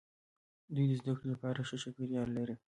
دوی د زده کړې لپاره ښه چاپیریال لري.